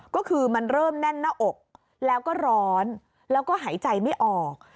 ก็คือมันเริ่มแน่นหน้าอกแล้วก็ร้อนแล้วก็หายใจไม่ออก